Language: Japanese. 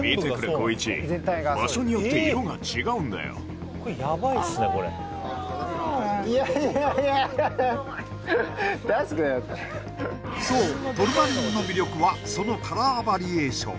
綱一いやいやいやそうトルマリンの魅力はそのカラーバリエーション